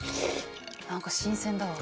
何か新鮮だわ。